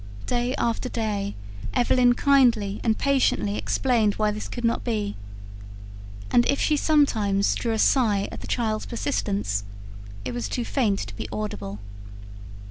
Day after day Evelyn kindly and patiently explained why this could not be; and if she sometimes drew a sigh at the child's persistence, it was too faint to be audible.